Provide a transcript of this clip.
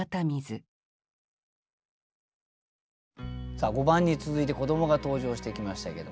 さあ５番に続いて子どもが登場してきましたけどもね。